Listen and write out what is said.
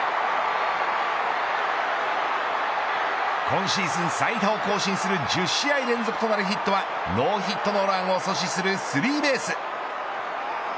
今シーズン最多を更新する１０試合連続となるヒットはノーヒットノーランを阻止するスリーベース。